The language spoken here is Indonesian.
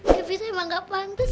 devita emang gak pantas